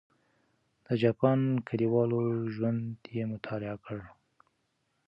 د جاپان کلیوالو ژوند یې مطالعه کړ.